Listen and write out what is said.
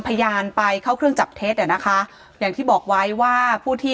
พยานไปเข้าเครื่องจับเท็จอ่ะนะคะอย่างที่บอกไว้ว่าผู้ที่